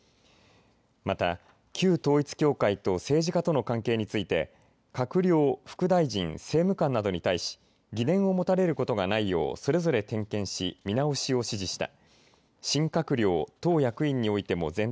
また旧統一教会と政治家との関係について閣僚、副大臣、政務官などに対し疑念を持たれることがないようそれぞれ点検し見直しを指示した。